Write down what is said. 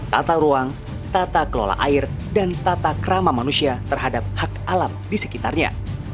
tata ruang tata kelola air dan tata krama manusia terhadap hak alam di sekitarnya